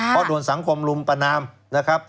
เพราะโดนสังคมลุมประนามนะครับ